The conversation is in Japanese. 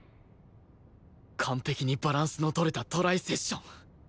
完璧にバランスの取れたトライ・セッション